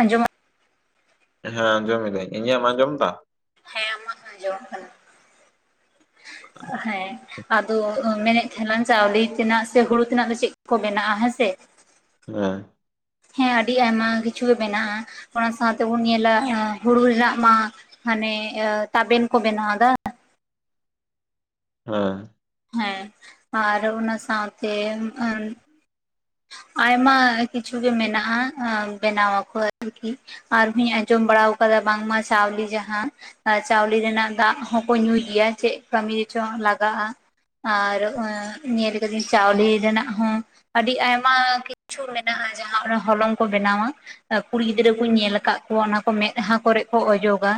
ᱟᱸᱡᱚᱢ ᱦᱮᱸ ᱚᱢᱤᱫᱟᱹᱧ ᱤᱧᱟᱹᱜ ᱢᱟ ᱡᱚᱢ ᱮᱫᱟ? ᱦᱮᱸ ᱟᱢᱟᱜ ᱠᱚ ᱟᱧᱡᱚᱢ ᱠᱟᱱᱟ ᱦᱮᱸ ᱟᱫᱚ ᱢᱮᱱᱮᱫ ᱛᱟᱦᱮᱱᱟ ᱪᱟᱣᱞᱮ ᱛᱮᱱᱟᱜ ᱥᱮ ᱦᱩᱲᱩ ᱛᱮᱱᱟᱜ ᱫᱚ ᱪᱮᱫ ᱠᱚ ᱠᱚ ᱵᱮᱱᱟᱜᱼᱟ ᱦᱮᱸᱥᱮ ᱦᱮᱸ ᱦᱮᱸ ᱟᱹᱰᱤ ᱟᱭᱢᱟ ᱠᱤᱪᱷᱩ ᱜᱮ ᱢᱮᱱᱟᱜᱼᱟ, ᱚᱱᱟ ᱥᱟᱶᱛᱮᱵᱚᱱ ᱧᱮᱞᱟ ᱦᱩᱲᱩ ᱨᱮᱱᱟᱜ ᱢᱟ ᱢᱟᱱᱮ ᱛᱟᱵᱮᱱ ᱠᱚ ᱵᱮᱱᱟᱣ-ᱫᱟ᱾ ᱦᱮᱸ ᱦᱮᱸ ᱟᱨ ᱚᱱᱟ ᱥᱟᱶᱛᱮ ᱟᱭᱢᱟ ᱠᱤᱪᱷᱩ ᱜᱮ ᱢᱮᱱᱟᱜᱼᱟ ᱵᱮᱱᱟ ᱟᱠᱚ ᱟᱨᱠᱤ ᱟᱨᱦᱚᱧ ᱟᱸᱡᱚᱢ ᱵᱟᱲᱟᱣ ᱠᱟᱫᱟ ᱵᱟᱝᱢᱟ ᱪᱟᱣᱞᱤ ᱡᱟᱦᱟᱸ ᱟᱨ ᱪᱟᱣᱞᱮ ᱨᱮᱱᱟᱜ ᱫᱟᱜ ᱦᱚᱸᱠᱚ ᱧᱩᱭ ᱜᱮᱭᱟ ᱪᱮᱫ ᱠᱟᱹᱢᱤ ᱨᱮᱪᱚ ᱞᱟᱜᱟᱜᱼᱟ᱾ ᱟᱨ ᱦᱚᱸ ᱧᱮᱞ ᱟᱠᱟᱫᱟᱹᱧ ᱪᱟᱣᱞᱤ ᱨᱮᱱᱟᱜ ᱦᱚᱸ, ᱟᱹᱰᱤ ᱟᱭᱢ ᱟᱭᱢᱟ ᱠᱤᱪᱷᱩ ᱢᱮᱱᱟᱜᱼᱟ᱾ ᱡᱟᱦᱟᱸ ᱦᱚᱞᱚᱝ ᱠᱚ ᱵᱮᱱᱟᱣᱟ ᱠᱩᱲᱤ ᱜᱤᱫᱽᱨᱟᱹ ᱠᱩᱧ ᱧᱮᱞ ᱟᱠᱟᱫ ᱠᱚᱣᱟ ᱚᱱᱟ ᱠᱚ ᱢᱮᱸᱫᱦᱟ ᱠᱚᱨᱮᱜ ᱠᱚ ᱚᱡᱚᱜᱟ᱾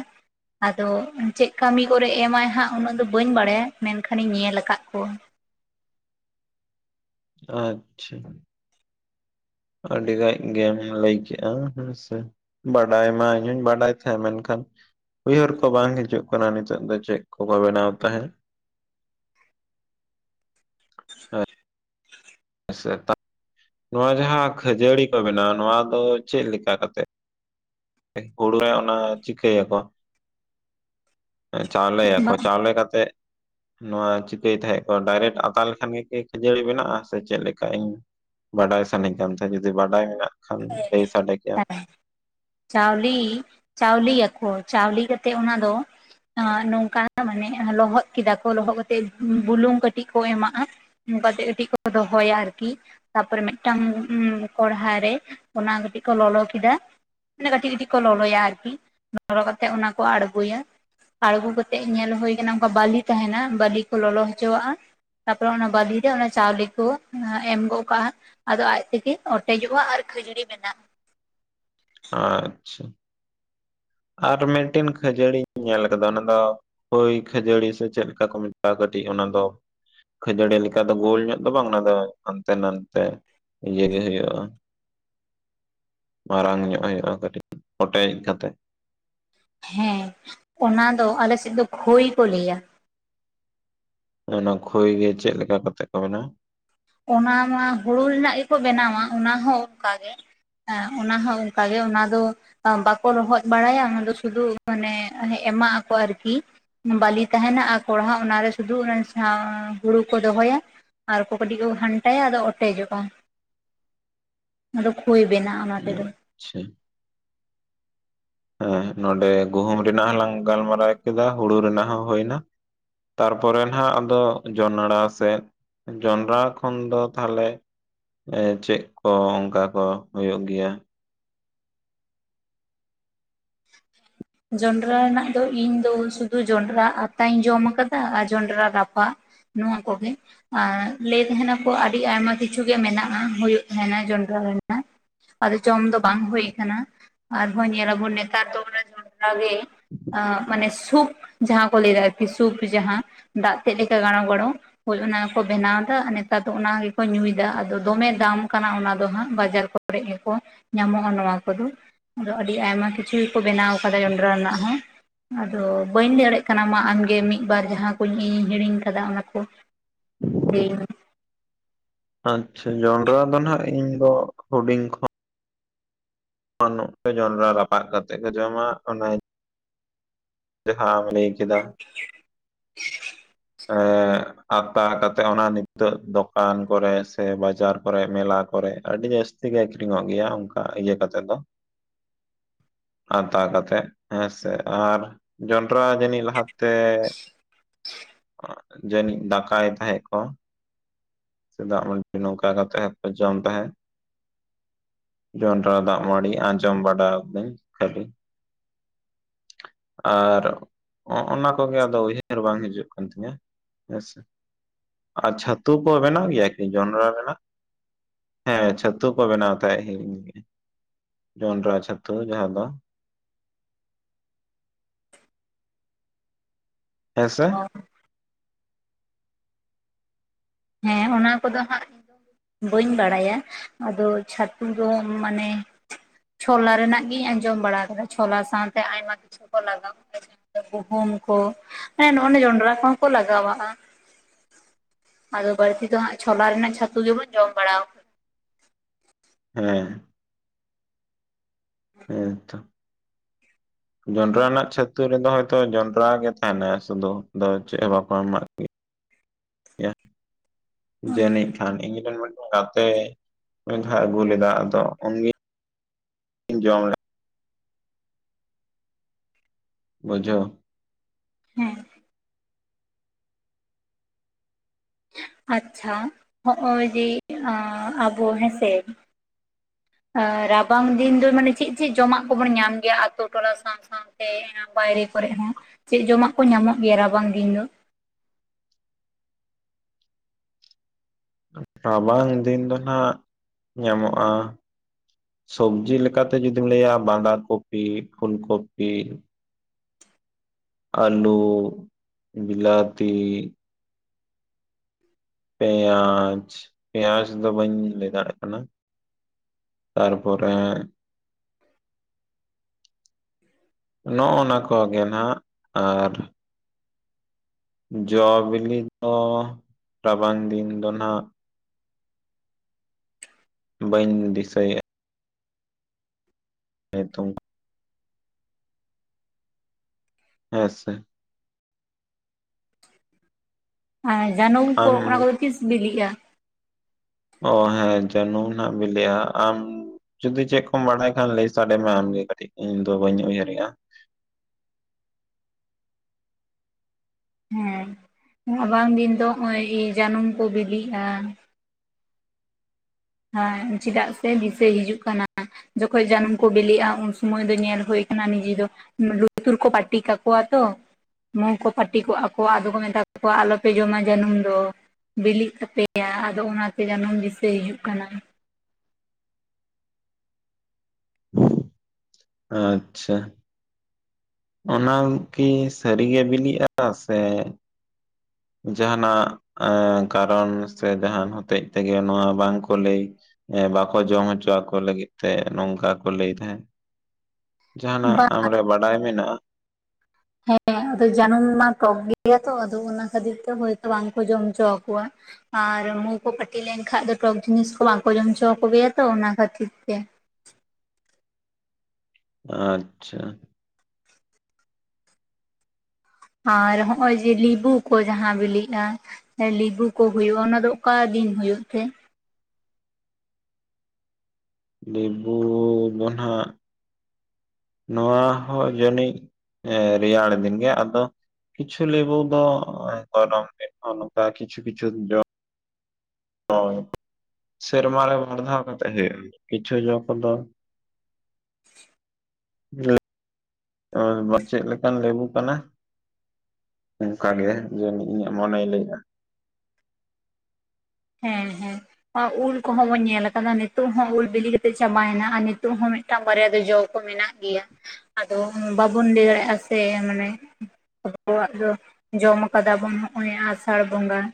ᱟᱫᱚ ᱪᱮᱫ ᱠᱟᱹᱢᱤ ᱠᱚᱨᱮ ᱮᱢᱟᱭ ᱦᱟᱸᱜ ᱩᱱᱟᱹᱜ ᱫᱚ ᱵᱟᱹᱧ ᱵᱟᱲᱟᱭᱟ ᱢᱮᱱᱠᱷᱟᱱᱤᱧ ᱧᱮᱞ ᱟᱠᱟᱫ ᱠᱚᱣᱟ᱾ ᱟᱪᱪᱷᱟ ᱟᱹᱰᱤ ᱜᱟᱜ ᱜᱮ ᱞᱟᱹᱭ ᱠᱮᱫᱮᱜᱼᱟ ᱦᱮᱸᱥ ᱵᱟᱰᱟᱭ ᱢᱟ ᱤᱧ ᱦᱚᱸᱧ ᱵᱟᱰᱟᱭ ᱛᱟᱦᱮᱸ ᱢᱮᱱᱠᱷᱟᱱ ᱩᱭᱦᱟᱹᱨ ᱠᱚ ᱵᱟᱝ ᱦᱤᱡᱩᱜ ᱠᱟᱱᱟ ᱱᱤᱛᱚᱜ ᱫᱚ ᱪᱮᱫ ᱠᱚᱠᱚ ᱵᱮᱱᱟᱣ ᱛᱟᱦᱮᱸᱫ ᱥᱮᱛᱟ ᱱᱚᱣᱟ ᱡᱟᱦᱟᱸ ᱠᱷᱟᱹᱡᱟᱹᱲᱤ ᱠᱚ ᱵᱮᱱᱟ ᱱᱚᱣᱟ ᱫᱚ ᱪᱮᱫ ᱞᱮᱠᱟ ᱠᱟᱛᱮ ᱦᱩᱲᱩ ᱨᱮ ᱚᱱᱟ ᱪᱤᱠᱟᱹᱭᱟᱠᱚ ᱪᱟᱣᱞᱮᱭᱟᱠᱚ ᱵᱟᱝ ᱪᱟᱣᱞᱮ ᱠᱟᱛᱮ ᱱᱚᱣᱟ ᱪᱤᱠᱟᱹᱭ ᱛᱟᱦᱮᱸ ᱠᱚ ᱰᱟᱭᱨᱮᱠᱴ ᱟᱛᱟ ᱞᱮᱠᱷᱟᱱ ᱜᱮᱠᱤ ᱠᱷᱟᱹᱡᱟᱹᱲᱤ ᱵᱮᱱᱟ-ᱟ ᱪᱮᱫ ᱞᱮᱠᱟ ᱤᱧ ᱵᱟᱰᱟᱭ ᱥᱟᱱᱟᱧ ᱠᱟᱱ ᱛᱟᱦᱮᱸᱱᱟ ᱡᱩᱫᱤ ᱵᱟᱰᱟᱭ ᱢᱮᱱᱟᱜ ᱛᱮ ᱦᱮ [unintelligible] ᱪᱟᱣᱞᱮ ᱪᱟᱣᱞᱮᱭᱟᱠᱚ ᱪᱟᱣᱞᱮ ᱠᱟᱛᱮᱫ ᱚᱱᱟ ᱫᱚ ᱱᱚᱝᱠᱟ ᱢᱟᱱᱮ ᱞᱚᱦᱚᱫ ᱠᱮᱫᱟ ᱠᱚ ᱞᱚᱦᱚᱫ ᱠᱟᱛᱮᱜ ᱵᱩᱞᱩᱝ ᱠᱟᱴᱤᱡ ᱠᱚ ᱮᱢᱟᱜᱼᱟ᱾ ᱚᱱᱠᱟᱛᱮ ᱠᱟᱹᱴᱤᱡ ᱠᱚ ᱫᱚᱦᱚᱭᱟ ᱟᱨᱠᱤ ᱛᱟᱯᱚᱨᱮ ᱢᱤᱫᱴᱟᱝ ᱠᱚᱲᱦᱟᱮ ᱚᱱᱟ ᱠᱟᱹᱴᱤᱡ ᱠᱚ ᱞᱚᱞᱚ ᱠᱮᱫᱟ ᱢᱮ ᱠᱟᱹᱴᱤᱡ ᱠᱟᱹᱴᱤᱡ ᱠᱚ ᱞᱚᱞᱚᱭᱟ ᱟᱨᱠᱤ ᱞᱚᱞᱚ ᱠᱟᱛᱮᱜ ᱚᱱᱟ ᱠᱚ ᱟᱬᱜᱚᱭᱟ᱾ ᱟᱬᱜᱚ ᱠᱟᱛᱮᱜ ᱧᱮᱞ ᱦᱳ ᱟᱠᱟᱱᱟ᱾ ᱚᱱᱠᱟ ᱵᱟᱹᱞᱤ ᱛᱟᱦᱮᱱᱟ, ᱵᱟᱹᱞᱤ ᱠᱚ ᱞᱚᱞᱚ ᱦᱚᱪᱚᱣᱟᱜᱼᱟ᱾ ᱛᱟᱯᱚᱨᱮ ᱚᱱᱟ ᱵᱟᱞᱤᱨᱮ ᱚᱱᱟ ᱪᱟᱣᱞᱮ ᱠᱚ ᱮᱢ ᱜᱚᱜ ᱠᱟᱜᱼᱟ᱾ ᱟᱫᱚ ᱟᱡ ᱛᱮᱜᱮ ᱚᱴᱮᱡᱚᱜᱼᱟ ᱟᱨ ᱠᱷᱟᱹᱡᱲᱤ ᱵᱮᱱᱟᱜᱼᱟ᱾ ᱟᱪᱪᱷᱟ ᱟᱨ ᱢᱤᱫᱴᱮᱱ ᱠᱷᱟᱹᱡᱟᱹᱲᱤᱧ ᱧᱮᱞ ᱟᱠᱟᱫᱟ ᱚᱱᱟ ᱫᱚ ᱦᱚᱭ ᱠᱷᱟᱹᱡᱟᱹᱲᱤ ᱥᱮ ᱪᱮᱫ ᱞᱮᱠᱟ ᱠᱚ ᱢᱮᱛᱟᱜᱼᱟ? ᱠᱟᱹᱴᱤᱡ ᱚᱱᱟ ᱫᱚ ᱠᱷᱟᱹᱡᱟᱹᱲᱤ ᱞᱮᱠᱟ ᱫᱚ ᱜᱳᱞ ᱧᱚᱜ ᱫᱚ ᱵᱟᱝ ᱚᱱᱟ ᱫᱚ ᱦᱟᱱᱛᱮ ᱱᱟᱱᱛᱮ ᱤᱭᱟᱹ ᱜᱤ ᱦᱩᱭᱩᱜᱼᱟ᱾ ᱢᱟᱨᱟᱝ ᱧᱚᱜ ᱦᱩᱭᱩᱜᱼᱟ ᱠᱟᱹᱴᱤᱡ ᱚᱴᱮᱡ ᱠᱟᱛᱮᱫ᱾ ᱦᱮᱸ ᱚᱱᱟ ᱫᱚ ᱟᱞᱮᱥᱮᱫ ᱫᱚ ᱠᱷᱳᱭ ᱠᱚ ᱞᱟᱹᱭᱟ᱾ ᱚᱱᱟ ᱠᱷᱚᱭ ᱜᱮ ᱪᱮᱫ ᱞᱮᱠᱟ ᱠᱟᱛᱮᱜ ᱠᱚ ᱵᱮᱱᱟᱣᱟ ᱚᱱᱟ ᱢᱟ ᱦᱩᱲᱩ ᱨᱮᱱᱟᱜ ᱜᱮᱠᱚ ᱵᱮᱱᱟᱣᱟ ᱚᱱᱟ ᱦᱚ ᱚᱱᱠᱟᱜᱮ ᱦᱮᱸ ᱚᱱᱟ ᱦᱚᱸ ᱚᱱᱠᱟᱜᱮ ᱚᱱᱟ ᱫᱚ ᱵᱟᱠᱚ ᱨᱚᱦᱚᱫ ᱵᱟᱲᱟᱭᱟ ᱚᱱᱟ ᱫᱚ ᱥᱩᱫᱷᱩ ᱢᱟᱱᱮ ᱮᱢᱟᱜ ᱟᱠᱚ ᱟᱨᱠᱤ ᱵᱟᱞᱤ ᱛᱟᱦᱮᱱᱟ ᱟᱨ ᱠᱚᱲᱦᱟ ᱚᱱᱟᱨᱮ ᱥᱩᱫᱩ ᱦᱩᱲᱩ ᱠᱚ ᱫᱚᱦᱚᱭᱟ ᱟᱨ ᱠᱟᱹᱴᱤᱡ ᱠᱚ ᱜᱷᱟᱱᱴᱟᱭᱟ ᱟᱫᱚ ᱚᱴᱮᱡᱚᱜᱼᱟ, ᱟᱫᱚ ᱠᱷᱳᱭ ᱵᱮᱱᱟᱜᱼᱟ᱾ ᱚᱱᱟ ᱛᱮᱫᱚ ᱪᱷᱟ᱾ ᱦᱮᱸ ᱱᱚᱸᱰᱮ ᱜᱩᱦᱩᱢ ᱨᱮᱱᱟᱜ ᱦᱚᱸᱞᱟᱟᱝ ᱜᱟᱞᱢᱟᱨᱟᱣ ᱠᱮᱫᱟ ᱦᱩᱲᱩ ᱨᱮᱱᱟᱜ ᱦᱚᱸ ᱦᱩᱭᱱᱟ᱾ ᱛᱟᱨᱯᱚᱨᱮ ᱦᱟᱜ ᱱᱟᱜ ᱟᱫᱚ ᱡᱚᱱᱲᱟ ᱥᱮᱫ ᱡᱚᱱᱰᱨᱟ ᱠᱷᱚᱱ ᱫᱚ ᱛᱟᱦᱚᱞᱮ ᱪᱮᱫ ᱠᱚ ᱚᱱᱠᱟ ᱠᱚ ᱦᱩᱭᱩᱜ ᱜᱮᱭᱟ [inaudible] ᱡᱚᱸᱰᱨᱟ ᱨᱮᱱᱟᱜ ᱫᱚ ᱤᱧ ᱫᱚ ᱥᱩᱫᱷᱩ ᱡᱚᱸᱰᱨᱟ ᱟᱛᱟᱧ ᱡᱚᱢ ᱟᱠᱟᱫᱟ ᱟᱨ ᱡᱚᱸᱰᱨᱟ ᱨᱟᱯᱟᱜ ᱱᱚᱣᱟ ᱠᱚᱜᱮ ᱟᱨ ᱞᱟᱹᱭ ᱛᱟᱦᱮᱱᱟᱠᱚ ᱟᱹᱰᱤ ᱟᱭᱢᱟ ᱠᱤᱪᱷᱩ ᱜᱮ ᱢᱮᱱᱟᱜᱼᱟ, ᱦᱩᱭᱩᱜ ᱛᱟᱦᱮᱱᱟ ᱡᱚᱱᱰᱨᱟ ᱨᱮᱱᱟᱜ ᱟᱫᱚ ᱡᱚᱢ ᱫᱚ ᱵᱟᱝ ᱦᱩᱭ ᱟᱠᱟᱱᱟ ᱟᱨᱦᱚᱸ ᱧᱮᱞᱟᱵᱚᱱ ᱱᱮᱛᱟᱨ ᱫᱚ ᱚᱱᱟ ᱡᱚᱱᱰᱨᱟ ᱜᱮ [inaudible] ᱢᱟᱱᱮ ᱥᱩᱯ, ᱡᱟᱦᱟᱸ ᱠᱚ ᱞᱟᱹᱭᱟ ᱟᱨᱠᱤ ᱥᱩᱯ ᱡᱟᱦᱟᱸ ᱫᱟᱜ ᱛᱮᱫ ᱞᱮᱠᱟ ᱜᱟᱲᱚ ᱜᱚᱲᱚ ᱦᱚᱭ ᱚᱱᱟᱠᱚ ᱵᱮᱱᱟᱣ ᱮᱫᱟ, ᱟᱨ ᱱᱮᱛᱟᱨ ᱫᱚ ᱚᱱᱟ ᱜᱮᱠᱚ ᱧᱩᱭᱮᱫᱟ, ᱟᱫᱚ ᱫᱚᱢᱮ ᱫᱟᱢ ᱠᱟᱱᱟ ᱚᱱᱟ ᱫᱚ ᱦᱟᱸᱜ ᱵᱟᱡᱟᱨ ᱠᱚᱨᱮ ᱠᱚᱨᱮ ᱜᱮᱠᱚ ᱧᱟᱢᱚᱜᱼᱟ ᱱᱚᱣᱟ ᱠᱚᱫᱚ ᱟᱫᱚ ᱟᱹᱰᱤ ᱟᱭᱢᱟ ᱠᱤᱪ ᱠᱤᱪᱩ ᱠᱚ ᱵᱮᱱᱟᱣ ᱟᱠᱟᱫᱟ ᱡᱚᱱᱰᱨᱟ ᱨᱮᱱᱟᱜ ᱦᱚᱸ ᱟᱫᱚ ᱵᱟᱹᱧ ᱞᱟᱹᱭ ᱫᱟᱲᱮᱭᱟᱜ ᱠᱟᱱᱟ ᱢᱟ ᱟᱢᱜᱮ ᱢᱤᱫᱵᱟᱨ ᱡᱟᱦᱟᱸ ᱠᱚᱧ ᱦᱤᱲᱤᱧ ᱠᱟᱫᱟ ᱚᱱᱟ ᱠᱚ [inaudible] ᱦᱮᱸ ᱟᱪᱪᱷᱟ, ᱡᱚᱱᱰᱨᱟ ᱫᱚ ᱱᱟᱜ ᱤᱧ ᱫᱚ ᱦᱩᱰᱤᱧ ᱠᱷᱚᱱ ᱡᱚᱱᱰᱨᱟ ᱨᱟᱯᱟᱜ ᱠᱟᱛᱮ ᱠᱚ ᱡᱚᱢᱟ ᱡᱟᱦᱟ ᱞᱟᱹᱭ ᱠᱮᱫᱟ ᱮ ᱟᱛᱟ ᱠᱟᱛᱮᱜ, ᱚᱱᱟ ᱱᱤᱛᱚᱜ ᱫᱚᱠᱟᱱ ᱠᱚᱨᱮ ᱥᱮ ᱵᱟᱡᱟᱨ ᱠᱚᱨᱮ ᱢᱮᱞᱟ ᱠᱚᱨᱮ ᱟᱹᱰᱤ ᱡᱟᱹᱥᱛᱤ ᱡᱟᱹᱥᱛᱤ ᱜᱮ ᱟᱹᱷᱨᱤᱧᱚᱜ ᱜᱮᱭᱟ ᱚᱱᱠᱟ ᱤᱭᱟᱹ ᱠᱟᱛᱮ ᱫᱚ ᱟᱛᱟ ᱠᱟᱛᱮᱫ ᱦᱮᱸ ᱥᱮ ᱟᱨ ᱡᱚᱱᱰᱨᱟ ᱡᱟᱹᱱᱤᱡ ᱞᱟᱦᱟᱛᱮ ᱡᱟᱹᱱᱤᱜ ᱫᱟᱠᱟ ᱭᱮᱫ ᱛᱟᱦᱮ ᱠᱚ ᱥᱮ ᱫᱟᱜ ᱢᱟᱹᱰᱤ ᱱᱚᱠᱟ ᱛᱟᱦᱮᱸ ᱦᱚ ᱡᱚᱢ ᱛᱟᱦᱮᱸ ᱡᱚᱸᱰᱨᱟ ᱫᱟᱜ ᱢᱟᱹᱲᱤ ᱟᱸᱡᱚᱢ ᱵᱟᱲᱟ ᱟᱹᱠᱟᱹᱧ ᱠᱷᱟᱹᱞᱤ ᱟᱨᱜ ᱚᱱᱟ ᱠᱚᱜᱮ ᱟᱫᱚ ᱩᱭᱦᱟᱹᱨ ᱵᱟᱝ ᱦᱤᱡᱩᱜ ᱠᱟᱱ ᱛᱤᱧᱟᱹ ᱦᱮᱪᱮ, ᱪᱷᱟᱹᱛᱩ ᱠᱚ ᱵᱮᱱᱟᱣ ᱜᱮᱭᱟᱠᱤ ᱡᱚᱱᱰᱨᱟ ᱨᱮᱱᱟᱜ, ᱦᱮᱸ ᱪᱷᱟᱹᱛᱩ ᱠᱚ ᱵᱮᱱᱟᱣ ᱛᱟᱦᱮᱸ ᱦᱤᱲᱤᱧ ᱜᱮ ᱡᱚᱱᱰᱨᱟ ᱪᱟᱹᱛᱩ ᱡᱟᱦᱟᱸ ᱫᱚ ᱦᱮᱸᱥᱮ ᱢᱮ ᱦᱮᱸ ᱚᱱᱟ ᱠᱚᱫᱚ ᱦᱟᱸᱜ ᱫᱚ ᱵᱟᱹᱧ ᱵᱟᱲᱟᱭᱟ, ᱟᱫᱚ ᱪᱷᱟᱹᱛᱩ ᱫᱚ ᱢᱟᱱᱮ ᱪᱷᱳᱞᱟ ᱨᱮᱱᱟᱜ ᱜᱤᱧ ᱟᱸᱡᱚᱢ ᱵᱟᱲᱟ ᱟᱠᱟᱫᱟ, ᱪᱷᱳᱞᱟ ᱥᱟᱶᱛᱮ ᱟᱭᱢᱟ ᱠᱤᱪᱷᱩ ᱠᱚ ᱞᱟᱜᱟᱣ ᱜᱩᱦᱩᱢ ᱠᱚ, ᱮᱢᱱᱚᱜ ᱡᱚᱱᱰᱨᱟ ᱠᱚᱦᱚᱸ ᱠᱚ ᱞᱟᱜᱟᱣᱟᱜᱼᱟ ᱟᱫᱚ ᱵᱟᱹᱲᱛᱤ ᱫᱚ ᱦᱜ ᱪᱷᱚᱞᱟ ᱨᱮᱱᱟᱜ ᱪᱷᱟᱹᱛᱩ ᱜᱮᱵᱚᱱ ᱡᱚᱢ ᱵᱟᱲᱟᱣ ᱦᱮᱸ ᱦᱮᱛᱚ [inaudible] ᱡᱚᱱᱰᱨᱟ ᱨᱮᱱᱟᱜ ᱪᱷᱟᱹᱛᱩ ᱨᱮᱫᱚ ᱦᱚᱭᱛᱚ ᱡᱚᱱᱰᱨᱟ ᱜᱮ ᱛᱟᱦᱮᱱᱟ ᱥᱩᱫᱩ, ᱪᱮᱫ ᱦᱚᱸ ᱵᱟᱠᱚ ᱮᱢᱟᱜ ᱠᱭᱟ [unintelligible] ᱡᱟᱹᱱᱤᱡ ᱠᱷᱟᱱ ᱤᱧ ᱨᱮᱱ ᱢᱤᱫᱴᱮᱱ ᱜᱟᱛᱮ ᱢᱤᱫ ᱫᱷᱟᱣ ᱟᱹᱜᱩ ᱞᱮᱫᱟ ᱟᱫᱚ ᱩᱱ ᱤᱧ ᱡᱚᱢ ᱵᱡᱷᱚ ᱦᱮᱸ ᱟᱪᱪᱷᱟ, ᱦᱚᱜᱼᱚᱭ ᱡᱮ ᱟᱵᱚ ᱦᱮᱸᱥᱮ [inaudible] ᱟ ᱨᱟᱵᱟᱝ ᱫᱤᱱ ᱫᱚ ᱢᱟᱱᱮ ᱪᱮᱫ ᱪᱮᱫ ᱡᱚᱢᱟᱜ ᱠᱚᱵᱚᱱ ᱧᱟᱢ ᱜᱮᱭᱟ ᱟᱛᱳ ᱴᱚᱞᱟ ᱥᱟᱶ ᱥᱟᱶ ᱥᱮ ᱵᱟᱭᱨᱮ ᱠᱚᱨᱮ ᱦᱚᱸ ᱪᱮᱫ ᱡᱚᱢᱟᱜ ᱠᱚ ᱧᱟᱢᱚᱜ ᱜᱮᱭᱟ ᱨᱟᱵᱟᱝ ᱫᱤᱱ ᱫᱚ ᱨᱟᱵᱟᱝ ᱫᱤᱱ ᱫᱚ ᱱᱟᱜ, ᱧᱟᱢᱚᱜᱼᱟ ᱥᱚᱵᱡᱤ ᱞᱮᱠᱟᱛᱮ ᱡᱩᱫᱤᱢ ᱞᱟᱹᱭᱟ, ᱵᱟᱸᱫᱷᱟ ᱠᱚᱯᱤ, ᱯᱷᱩᱞ ᱠᱚᱯᱤ ᱟᱹᱞᱩ, ᱵᱤᱞᱟᱹᱛᱤ ᱯᱮᱭᱟᱡᱽ, ᱯᱮᱭᱟᱡᱽ ᱫᱚ ᱵᱟᱹᱧ ᱞᱟᱹᱭ ᱫᱟᱲᱮᱭᱟᱜ ᱠᱟᱱᱟ ᱛᱟᱨᱯᱚᱨᱮ ᱱᱚᱜᱼᱚᱱᱟ ᱠᱚᱜᱮ ᱱᱟᱦᱱᱟᱜ ᱟᱨ ᱾ ᱡᱚ ᱵᱤᱞᱤ ᱫᱚ ᱨᱟᱵᱟᱝ ᱫᱤᱱ ᱫᱚ ᱦᱟᱜ ᱾ ᱵᱟᱹᱧ ᱫᱤᱥᱟᱹᱭᱮᱫ ᱾ ᱦᱮ ᱛᱷᱚᱝ ᱦᱮᱸ ᱥᱮ ᱟᱨ ᱡᱟᱹᱱᱩᱢ ᱠᱚ ᱟᱢ ᱚᱱᱟ ᱠᱚᱫᱚ ᱛᱤᱥ ᱵᱤᱞᱤᱜᱼᱟ ᱚ ᱦᱮᱸ ᱡᱟᱱᱩᱢ ᱦᱟᱹ ᱵᱤᱞᱤᱜ-ᱟ ᱟᱢ ᱡᱩᱚᱫᱤ ᱪᱮᱫ ᱠᱚᱢ ᱵᱟᱲᱟᱭ ᱠᱷᱟᱱ ᱞᱟᱹᱭ ᱥᱟᱰᱮ ᱢᱮ ᱟᱢᱜᱮ ᱠᱟᱹᱴᱤᱡ? ᱤᱧ ᱫᱚ ᱵᱟᱹᱧ ᱩᱭᱦᱟᱹᱨᱜᱼᱟ ᱾ ᱦᱮᱸ ᱨᱟᱵᱟᱝ ᱫᱤᱱ ᱫᱚ ᱱᱚᱜ-ᱚᱭ ᱡᱟᱹᱱᱩᱢ ᱠᱚ ᱵᱤᱞᱤᱜᱼᱟ ᱦᱮᱸ ᱪᱮᱫᱟᱜ ᱥᱮ ᱫᱤᱥᱟᱹᱭ ᱦᱤᱡᱩᱜ ᱠᱟᱱᱟ ᱾ ᱡᱚᱠᱷᱚᱱ ᱡᱟᱹᱱᱩᱢ ᱠᱚ ᱵᱤᱞᱤᱜᱼᱟ ᱩᱱ ᱥᱩᱚᱢᱚᱭ ᱫᱚ ᱧᱮᱞ ᱦᱩᱭᱳ ᱟᱠᱟᱱᱟ ᱱᱤᱡᱮ ᱫᱚᱻ ᱞᱩᱛᱩᱨ ᱠᱚ ᱯᱟᱴᱤ ᱠᱟᱠᱚᱣᱟ ᱛᱚᱻ ᱢᱩ ᱠᱚ ᱯᱟᱹᱴᱤ ᱠᱚᱜᱼᱟ ᱠᱚ ᱟᱫᱚ ᱠᱚ ᱢᱮᱛᱟ ᱠᱚᱣᱟ ᱟᱞᱚᱯᱮ ᱡᱚᱢᱟ ᱡᱟᱹᱱᱩᱢ ᱫᱚᱻ ᱵᱤᱞᱤᱜ ᱛᱟᱯᱮᱭᱟ ᱟᱫᱚ ᱚᱱᱟᱛᱮ ᱡᱟᱱᱩᱢ ᱫᱤᱥᱟᱹᱭ ᱦᱤᱡᱩᱜ ᱠᱟᱱᱟ ᱾ ᱟᱪᱷᱟ ᱚᱱᱟ ᱠᱤ ᱥᱟᱹᱨᱤᱜᱮ ᱵᱤᱞᱤᱜᱼᱟ ᱥᱮᱻ ᱡᱟᱦᱟᱱᱟᱜ ᱠᱟᱨᱚᱱ ᱥᱮ ᱡᱟᱦᱟᱱ ᱦᱚᱛᱮᱡ ᱛᱮᱜᱮ ᱱᱚᱣᱟ ᱵᱟᱝᱠᱚ ᱞᱟᱹᱭ᱾ ᱦᱮᱸᱵᱟᱠᱚ ᱡᱚᱢ ᱦᱚᱪᱚ ᱟᱠᱚ ᱞᱟᱹᱜᱤᱫ ᱛᱮ ᱱᱚᱝᱠᱟ ᱠᱚ ᱞᱟᱹᱭ ᱛᱟᱦᱮᱸᱫ ᱾ ᱡᱟᱦᱱᱟᱜ ᱵᱟ ᱟᱢᱨᱮ ᱵᱟᱰᱟᱭ ᱢᱮᱱᱟᱜᱼᱟ ᱾ ᱦᱮᱸ ᱟᱫᱚ ᱡᱟᱹᱱᱩᱢ ᱢᱟ ᱴᱚᱠ ᱜᱮᱭᱟ ᱛᱚ ᱟᱫᱚ ᱚᱱᱟ ᱠᱷᱟᱹᱛᱤᱨ ᱛᱮ ᱦᱭᱛᱚ ᱵᱟᱝᱠᱚ ᱡᱚᱢ ᱦᱚᱪᱚ ᱟᱠᱚᱣᱟ ᱾ ᱟᱨ ᱢᱩ ᱠᱚ ᱯᱟᱹᱴᱤ ᱞᱮᱱᱠᱷᱟᱱᱡ ᱫᱚ ᱴᱚᱠ ᱡᱤᱱᱤᱥ ᱠᱚ ᱵᱟᱝᱠᱚ ᱡᱚᱢᱪᱚ ᱟᱠ ᱠᱚᱜᱮᱭᱟ ᱛᱚ ᱚᱱᱟ ᱠᱷᱟᱹᱛᱤᱨ ᱛᱮᱻ ᱟᱪᱪᱷᱟ ᱟᱨ ᱦᱚᱸᱜ ᱚᱭ ᱡᱮ ᱞᱤᱵᱩ ᱠᱚ ᱡᱟᱦᱟᱸ ᱵᱤᱞᱤᱜᱼᱟ ᱞᱮᱵᱩ ᱠᱚ ᱦᱳᱭᱳᱜᱼᱟ ᱚᱱᱟ ᱫᱚ ᱚᱠᱟ ᱫᱤᱱ ᱦᱳᱭᱩᱜ ᱛᱮᱻ ᱞᱮᱵᱩ ᱫᱚ ᱱᱟᱦᱟᱜ ᱱᱚᱣᱟ ᱦᱚᱸ ᱡᱟᱹᱱᱤᱡ ᱨᱮᱭᱟᱲ ᱫᱤᱱ ᱜᱮ ᱟᱫᱚᱻ ᱠᱤᱪᱩ ᱞᱮᱵᱩ ᱫᱚ ᱜᱚᱨᱚᱢ ᱫᱤᱱ ᱦᱚᱸ ᱱᱚᱱᱠᱟ ᱠᱤᱪᱷᱩ ᱠᱤᱪᱷᱩ ᱡᱚ ᱻ ᱦᱳᱭ ᱥᱮᱨᱢᱟ ᱨᱮ ᱵᱟᱨ ᱫᱷᱟᱣ ᱠᱟᱛᱮ ᱦᱩᱭᱩᱜᱼᱟ ᱠᱤᱪᱷᱩ ᱡᱚ ᱠᱚᱫᱚᱻ [inaudible] [unintelligible] ᱪᱮᱫ ᱞᱮᱠᱟᱱ ᱞᱮᱵᱩ ᱠᱟᱱᱟ ᱾ ᱚᱱᱠᱟ ᱜᱮ ᱡᱮ ᱤᱧᱟᱹᱜ ᱢᱚᱱᱮᱭ ᱞᱟᱹᱭᱮᱜᱼᱟ ᱾ ᱦᱮᱸ ᱦᱮᱸ ᱚ ᱩᱞ ᱠᱚᱦᱚᱸ ᱵᱚᱱ ᱧᱮᱞ ᱟᱠᱟᱫᱟ ᱱᱤᱛᱚᱜ ᱦᱚᱸ ᱩᱞ ᱵᱤᱞᱤ ᱠᱟᱛᱮᱜ ᱪᱟᱵᱟᱭᱮᱱᱟ ᱟᱨ ᱱᱤᱛᱚᱜ ᱦᱚᱸ ᱢᱮᱫ ᱢᱤᱫ ᱴᱟᱝ ᱵᱟᱨᱭᱟ ᱫᱚ ᱡᱚ ᱠᱚ ᱢᱮᱱᱟᱜ ᱜᱮᱭᱟ ᱟᱫᱚ ᱵᱟᱵᱚᱱ ᱞᱟᱹᱭ ᱫᱟᱲᱮᱭᱟᱜᱼᱟ ᱥᱮ ᱢᱟᱱᱮᱻ ᱟᱵᱚᱣᱟᱜ ᱫᱚ ᱡᱚᱢ ᱠᱟᱫᱟ ᱵᱚᱱ ᱱᱚᱜ ᱚᱭ ᱟᱥᱟᱲ ᱵᱚᱸᱜᱟ ᱾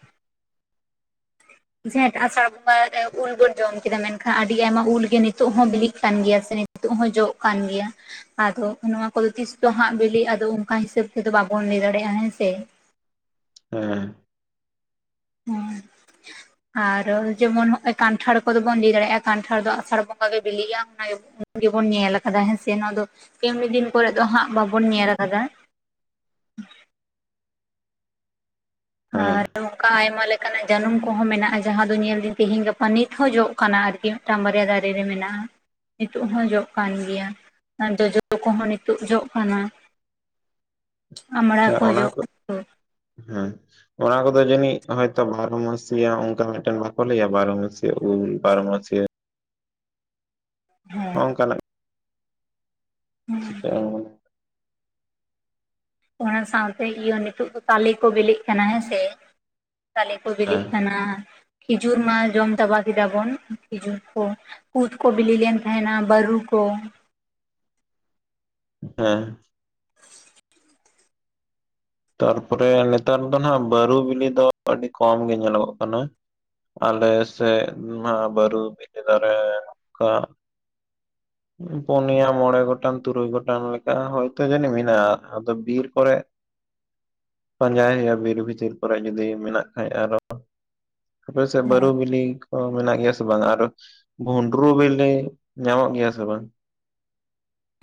[inaudible] ᱦᱮᱸ ᱟᱥᱟᱲ ᱵᱚᱸᱜᱟ ᱩᱞ ᱵᱚᱱ ᱡᱚᱢ ᱠᱮᱫᱟ ᱢᱮᱱᱠᱷᱟᱱ ᱟᱹᱰᱤ ᱟᱭᱢᱟ ᱩᱞᱜᱮ ᱱᱤᱛᱚᱜ ᱦᱚᱸ ᱵᱤᱞᱤᱜ ᱠᱟᱱ ᱜᱮᱭᱟ ᱥᱮ ᱾ ᱱᱤᱛᱜ ᱦᱚᱸ ᱡᱚᱜ ᱠᱟᱱ ᱜᱮᱭᱟ ᱟᱫᱚ ᱱᱚᱶᱟ ᱠᱚᱫᱚ ᱛᱤᱥ ᱪᱦᱟᱸᱜ ᱵᱤᱞᱤ ᱟᱫᱚ ᱚᱱᱠᱟ ᱦᱤᱥᱟᱹᱵ ᱛᱮᱫᱚ ᱵᱟᱵᱚᱱ ᱞᱟᱹᱭ ᱫᱟᱲᱮᱭᱟᱜᱼᱟ ᱦᱮᱸᱥᱮᱻ ᱦᱮᱸ ᱦᱮᱸ [inaudible] ᱟᱨ ᱡᱮᱢᱚᱱ ᱦᱚᱸᱜᱼᱚᱭ ᱠᱟᱱᱴᱷᱟᱲ ᱠᱚᱫᱚ ᱵᱚᱱ ᱤᱫ ᱫᱟᱲᱮᱭᱟᱜᱼᱟ ᱠᱟᱱᱴᱷᱟᱲ ᱫᱚ ᱟᱥᱟᱲ ᱵᱚᱸᱜᱟ ᱜᱮ ᱵᱤᱞᱤᱜᱼᱟ ᱚᱱᱟ ᱾ ᱜᱮᱵᱚᱱ ᱧᱮᱞ ᱟᱠᱟᱫᱟ ᱦᱮᱸ ᱥᱮ ᱱᱚᱶᱟ ᱫᱚ ᱠᱢᱱᱤ ᱫᱤᱱ ᱠᱚᱨᱮᱫ ᱫᱚ ᱦᱟᱸᱜ ᱵᱟᱵᱚᱱ ᱧᱮᱞ ᱟᱠᱟᱫᱟ ᱾ ᱦᱮᱸ ᱟᱨ [unintelligible] ᱚᱱᱠᱟ ᱟᱭᱢᱟ ᱞᱮᱠᱟᱱᱟᱜ ᱡᱟᱹᱱᱩᱢ ᱠᱚᱦᱚᱸ ᱢᱮᱱᱟᱜᱼᱟ ᱡᱟᱦᱟᱸ ᱫᱚ ᱧᱮᱞ ᱫᱟᱹᱧ ᱛᱤᱦᱤᱧ ᱜᱟᱯᱟ ᱱᱤᱛ ᱦᱚᱸ ᱡᱚᱜ ᱠᱟᱱᱟ ᱟᱨᱠᱤ ᱾ ᱢᱤᱫ ᱴᱟᱝ ᱵᱟᱨᱤᱭᱟ ᱫᱟᱨᱮ ᱨᱮ ᱢᱮᱱᱟᱜᱼᱟ ᱱᱤᱛᱚᱜ ᱦᱚᱸ ᱡᱚᱜ ᱠᱟᱱ ᱜᱮᱭᱟ ᱟᱨ ᱡᱚᱻᱡᱚ ᱠᱚᱦᱚᱸ ᱱᱤᱛᱳᱜ ᱡᱚᱜ ᱠᱟᱱ ᱜᱮᱭᱟ ᱾ ᱦᱮᱸ ᱚᱱᱟ ᱡᱚᱜ ᱠᱚ ᱠᱟᱱᱟ, ᱦᱮᱸᱻ ᱚᱱᱟ ᱠᱚᱫᱚ ᱡᱟᱹᱱᱤᱡ ᱦᱚᱭᱛᱚ ᱵᱟᱨᱚ ᱢᱟᱥᱤᱭᱟ ᱚᱱᱠᱟ ᱢᱤᱫᱴᱮᱱ ᱵᱟᱠᱚ ᱞᱟᱹᱭᱟ ᱵᱟᱨᱚ ᱢᱟᱥᱤᱭᱟ ᱩᱞ ᱵᱟᱨᱚ ᱢᱟᱥᱤᱭᱟ ᱾ ᱦᱮᱸ ᱦᱚᱸᱜᱚᱝ ᱠᱟᱱᱟᱜ [inaudible] ᱚᱱᱟ ᱥᱟᱶᱛᱮ ᱤᱭᱟᱹ ᱱᱤᱛᱚᱜ ᱫᱚ ᱛᱟᱞᱮ ᱠᱚ ᱵᱤᱞᱤᱜ ᱠᱟᱱᱟ ᱦᱮᱸᱥᱮ ᱛᱟᱞᱮ ᱠᱚ ᱵᱤᱞᱤᱜ ᱦᱮᱸ ᱠᱟᱱᱟ ᱠᱷᱤᱡᱩᱨ ᱢᱟ ᱡᱚᱢ ᱪᱟᱵᱟ ᱠᱮᱫᱟ ᱵᱚᱱ ᱠᱷᱤᱡᱩᱨ ᱠᱚ ᱠᱩᱫ ᱠᱚ ᱵᱤᱞᱤ ᱞᱮᱱ ᱛᱟᱦᱮᱸᱱᱟ ᱵᱟᱹᱨᱩ ᱠᱚ ᱦᱮᱸ ᱛᱟᱨᱯᱚᱨᱮ ᱱᱮᱛᱟᱨ ᱫᱚ ᱱᱟᱦᱟᱜ ᱵᱟᱹᱨᱩ ᱵᱤᱞᱤ ᱫᱚ ᱟᱹᱰᱤ ᱠᱚᱢ ᱜᱮ ᱧᱮᱞᱚᱜᱚᱻᱜ ᱠᱟᱱᱟ ᱟᱞᱮ ᱥᱮᱫ ᱢᱟ ᱵᱟᱹᱨᱩ ᱵᱤᱞᱤ ᱫᱟᱨᱮ ᱱᱚᱝᱠᱟ [inaudible] ᱯᱩᱱᱭᱟ ᱢᱚᱬᱮ ᱜᱚᱴᱟᱝ ᱛᱩᱨᱩᱭ ᱜᱚᱴᱟᱝ ᱞᱮᱠᱟ ᱦᱚᱭᱛᱳ ᱡᱟᱹᱱᱤᱡ ᱢᱮᱱᱟᱜᱼᱟ ᱟᱫᱚ ᱵᱤᱨ ᱠᱚᱨᱮ ᱯᱟᱸᱡᱟᱭ ᱦᱩᱭᱩᱜᱼᱟ ᱵᱤᱨ ᱵᱷᱤᱛᱤᱨ ᱠᱚᱨᱮ ᱡᱩᱫᱤ ᱢᱮᱱᱟᱜ ᱠᱷᱟᱡ ᱟᱨ ᱟᱯᱮᱥᱮᱫ ᱵᱟᱹᱨᱩ ᱵᱤᱞᱤ ᱚ ᱢᱮᱱᱟᱜ ᱜᱮᱭᱟ ᱥᱮ ᱵᱟᱝ ᱟᱨ ᱵᱷᱸᱰᱨᱩ ᱵᱤᱞᱤ ᱧᱟᱢᱚᱜ ᱜᱮᱭᱟ ᱥᱮ ᱵᱟᱝ [unintelligible]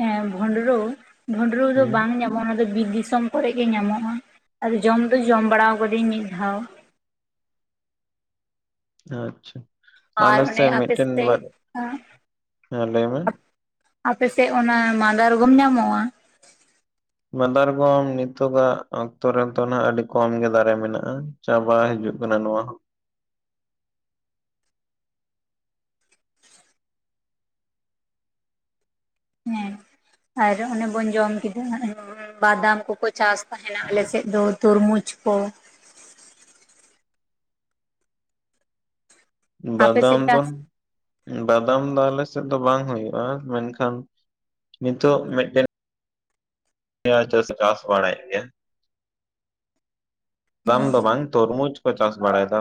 ᱦᱮᱸ ᱵᱷᱩᱸᱰᱨᱩ ᱵᱷᱩᱸᱰᱨᱩ ᱫᱚ ᱦᱩᱸ ᱵᱟᱝ ᱧᱟᱢᱚᱜᱼᱟ ᱚᱱᱟ ᱫᱚ ᱵᱤᱨ ᱫᱤᱥᱚᱢ ᱠᱚᱨᱮ ᱜᱮ ᱧᱟᱢᱚᱜᱼᱟ ᱟᱨ ᱡᱚᱢ ᱫᱚ ᱡᱚᱢ ᱵᱟᱲᱟ ᱟᱠᱟᱫᱟᱹᱧ ᱢᱤᱫ ᱫᱷᱟᱣ ᱟᱪᱪᱷᱟ ᱟᱨ ᱟᱞᱥᱮ ᱚᱱᱮ ᱟᱯᱮ ᱢᱤᱫᱴᱮᱱ ᱥᱮᱫ [unintelligible] ᱞᱟᱹᱭ ᱢᱮ ᱟᱯᱮᱥᱮᱫ ᱚᱱᱟ ᱢᱟᱫᱟᱨᱜᱚᱢ ᱧᱟᱢᱚᱜᱼᱟ ᱢᱟᱫᱟᱨᱜᱚᱢ ᱱᱤᱛᱚᱜᱟᱻᱜ ᱚᱠᱛᱚ ᱨᱮᱫᱚ ᱱᱟᱜ ᱟᱹᱰᱤ ᱠᱚᱢ ᱜᱮ ᱫᱟᱨᱮ ᱢᱮᱱᱟᱜᱼᱟ ᱪᱟᱵᱟ ᱦᱤᱡᱩᱜ ᱠᱟᱱᱟ ᱱᱚᱣᱟ ᱦᱚᱸ ᱦᱮᱸ ᱟᱨ ᱚᱱᱮ ᱵᱚᱱ ᱡᱚᱢ ᱠᱮᱫᱟ ᱵᱟᱫᱟᱢ ᱠᱚᱠᱚ [unintelligible] ᱪᱟᱥ ᱛᱟᱦᱮᱱᱟ ᱟᱞᱮᱥᱮᱫ ᱫᱚ ᱛᱚᱨᱢᱩᱡᱽ ᱠᱚ ᱟᱯᱮ ᱥᱮᱫ ᱵᱟᱫᱟᱢ ᱫᱚᱱ ᱪᱟᱥ ᱵᱟᱫᱟᱢ ᱫᱚ ᱟᱞᱮᱥᱮᱫ ᱫᱚ ᱵᱟᱝ ᱦᱩᱭᱩᱜᱼᱟ ᱢᱮᱱᱠᱷᱟᱱ ᱱᱤᱛᱚᱜ ᱢᱤᱫᱴᱮᱱ [inaudible] ᱪᱟᱥ ᱵᱟᱲᱟᱭᱮᱫ ᱜᱮᱭᱟ ᱵᱟᱝ ᱫᱚ ᱵᱟᱝ ᱛᱚᱨᱢᱩᱡᱽ ᱠᱚ ᱪᱟᱥ ᱵᱟᱲᱟᱭᱮᱫᱟ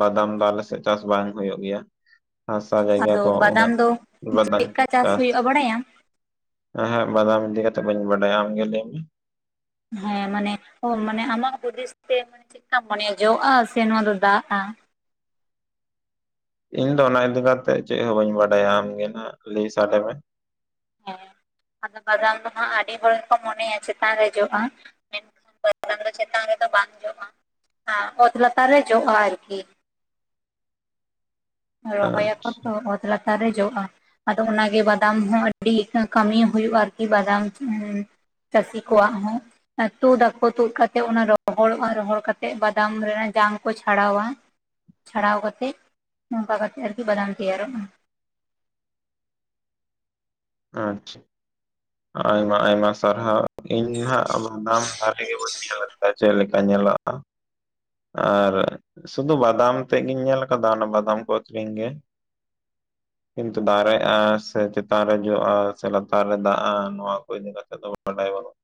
ᱵᱟᱫᱟᱢ ᱫᱚ ᱟᱞᱮ ᱥᱮᱫ ᱪᱟᱥ ᱵᱟᱝ ᱦᱩᱭᱩᱜ ᱜᱮᱭᱟ ᱦᱟᱥᱟ ᱡᱟᱭᱜᱟ ᱟᱫᱚ ᱠᱚ ᱩᱱᱟᱹᱜ ᱵᱟᱫᱟᱢ ᱫᱚ ᱪᱮᱫᱠᱟ [inaudible] ᱪᱟᱥ ᱦᱩᱭᱩᱜᱼᱟ ᱵᱟᱲᱟᱭᱟᱢ ᱮᱦᱮᱜ ᱵᱟᱫᱟᱢ ᱤᱫᱤ ᱠᱟᱛᱮᱜ ᱵᱟᱹᱧ ᱵᱟᱰᱟᱭᱟ ᱟᱢᱜᱮ ᱞᱟᱹᱭ ᱢᱮ ᱦᱮᱸ ᱢᱟᱱᱮ ᱳ ᱢᱟᱱᱮ ᱟᱢᱟᱜ ᱦᱩᱫᱤᱥ ᱛᱮ ᱪᱮᱜᱠᱟᱢ ᱢᱚᱱᱮᱭᱟ ᱡᱚᱜ ᱟ ᱥᱮ ᱱᱚᱣᱟ ᱫᱚ ᱫᱟᱜᱼᱟ ᱤᱧ ᱫᱚ ᱚᱱᱟ ᱤᱫᱤ ᱠᱟᱛᱮᱜ ᱪᱮᱫ ᱦᱚᱸ ᱵᱟᱹᱧ ᱵᱟᱰᱟᱭᱟ ᱟᱢ ᱜᱮ ᱱᱟᱦᱟᱜ ᱞᱟᱹᱭ ᱥᱟᱰᱮ ᱢᱮ ᱦᱮᱸ ᱟᱫᱚ ᱵᱟᱫᱟᱢ ᱫᱚ ᱱᱟᱦᱟᱸᱜ ᱟᱹᱰᱤ ᱦᱚᱲ ᱠᱚ ᱢᱚᱱᱮᱭᱟ ᱪᱮᱛᱟᱱ ᱨᱮ ᱡᱚᱜᱼᱟ [inaudible] [inaudible] ᱪᱮᱛᱟᱱ ᱨᱮᱫᱚ ᱵᱟᱝ ᱡᱚᱜᱼᱟ ᱚᱛ ᱞᱟᱛᱟᱨ ᱨᱮ ᱡᱚᱜᱼᱟ ᱟᱨᱠᱤ ᱨᱚᱦᱚᱭᱟ ᱠᱚ ᱟᱪᱪᱷᱟ ᱛᱚ ᱚᱛ ᱞᱟᱛᱟᱨ ᱨᱮ ᱡᱚᱜᱼᱟ ᱟᱫᱚ ᱚᱱᱟᱜᱮ ᱵᱟᱫᱟᱢ ᱦᱚᱸ ᱟᱹᱰᱤ ᱠᱟᱹᱢᱤ ᱦᱩᱭᱩᱜᱼᱟ ᱟᱨᱠᱤ ᱵᱟᱫᱟᱢ ᱩ ᱪᱟᱹᱥᱤ ᱠᱚᱣᱟᱜ ᱦᱚᱸ ᱛᱩᱫᱟᱠᱚ ᱛᱩᱫ ᱠᱟᱛᱮ ᱚᱱᱟ ᱫᱚ ᱨᱚᱦᱚᱲᱚᱜᱼᱟ ᱨᱚᱦᱚᱲ ᱠᱟᱛᱮ ᱵᱟᱫᱟᱢ ᱨᱮᱱᱟᱝ ᱡᱟᱝ ᱠᱚ ᱪᱷᱟᱲᱟᱣᱟ ᱪᱷᱟᱲᱟᱣ ᱠᱟᱛᱮᱫ ᱱᱚᱝᱠᱟ ᱠᱟᱛᱮᱫ ᱟᱨᱠᱤ ᱵᱟᱫᱟᱢ ᱛᱮᱭᱟᱨᱚᱜᱼᱟ ᱟᱪᱪᱷᱟ ᱟᱭᱢᱟ ᱟᱭᱢᱟ ᱥᱟᱨᱦᱟᱣ ᱤᱧ ᱦᱟᱜ ᱟᱵᱫᱟᱢ ᱵᱷᱟᱜᱤ ᱜᱮ ᱵᱟᱹᱧ ᱧᱮᱞ ᱟᱠᱟᱫᱟ ᱪᱮᱫ ᱞᱮᱠᱟ ᱧᱮᱞᱚᱜᱼᱟ [unintelligible] ᱟᱨ ᱥᱩᱫᱩ ᱵᱟᱫᱟᱢ ᱛᱮᱫ ᱜᱤᱧ ᱧᱮᱞ ᱟᱠᱟᱫᱟ ᱚᱱᱟ ᱵᱟᱫᱟᱢ ᱠᱚ ᱟᱠᱷᱨᱤᱧ ᱜᱮ ᱠᱤᱱᱛᱩ ᱫᱟᱨᱮ ᱟ ᱥᱮ ᱪᱮᱛᱟᱨ ᱨᱮ ᱡᱚ-ᱟ ᱥᱮ ᱞᱟᱛᱟᱨ ᱨᱮ ᱫᱟᱼᱟ [unintelligible] ᱟ ᱱᱚᱣᱟ ᱠᱚ ᱤᱫᱤ ᱠᱟᱛᱮᱜ ᱫᱚ ᱵᱟᱰᱟᱭ ᱵᱟᱹᱱᱩᱜᱼᱟ